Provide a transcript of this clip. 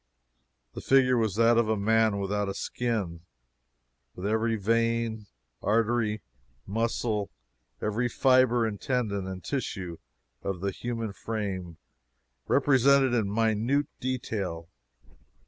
The figure was that of a man without a skin; with every vein, artery, muscle, every fiber and tendon and tissue of the human frame represented in minute detail.